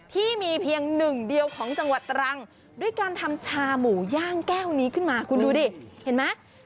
ที่มีเพียงหนึ่งเดียวของจังหวัดตรังด้วยการทำชาหมูย่างแก้วนี้ขึ้นมาคุณดูดิเห็นไหม